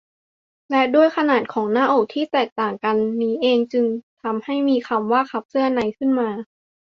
และด้วยขนาดของหน้าอกที่แตกต่างกันนี้เองจึงทำให้มีคำว่า คัพเสื้อใน ขึ้นมา